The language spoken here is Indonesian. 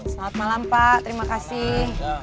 selamat malam pak terima kasih